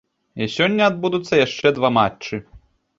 Сёння адбудуцца яшчэ два матчы.